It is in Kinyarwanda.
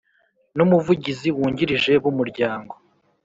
n Umuvugizi Wungirije b Umuryango